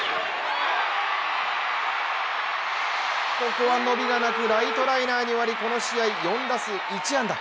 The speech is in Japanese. ここは伸びがなくライトライナーに終わりこの試合４打数１安打。